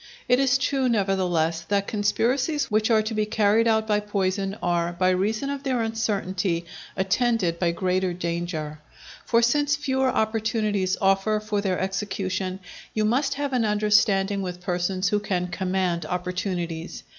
It is true, nevertheless, that conspiracies which are to be carried out by poison are, by reason of their uncertainty, attended by greater danger. For since fewer opportunities offer for their execution, you must have an understanding with persons who can command opportunities.